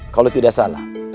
kalau tidak salah